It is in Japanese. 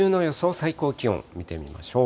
最高気温見てみましょう。